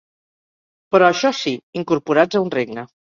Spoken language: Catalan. Però això sí, incorporats a un regne.